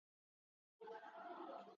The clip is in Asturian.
Nun s'esbilló'l tipu de conexón nos axustes.